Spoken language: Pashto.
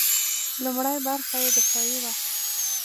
لومړۍ برخه یې دفاعي وه.